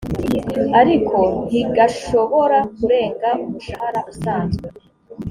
ariko ntigashobora kurenga umushahara usanzwe